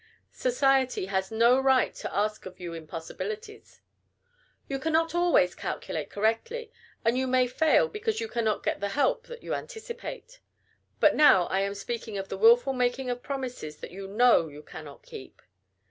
Society has no right to ask of you impossibilities. You cannot always calculate correctly, and you may fail because you cannot get the help that you anticipate. But now I am speaking of the wilful making of promises that you know you cannot keep.